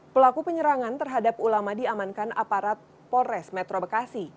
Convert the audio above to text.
pelaku penyerangan terhadap ulama diamankan aparat polres metro bekasi